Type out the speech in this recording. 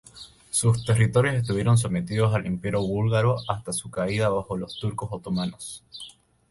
Sus territorios estuvieron sometidos al Imperio búlgaro hasta su caída bajo los turcos otomanos.